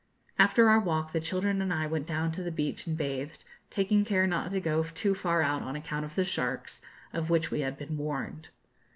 After our walk the children and I went down to the beach and bathed, taking care not to go too far out on account of the sharks, of which we had been warned.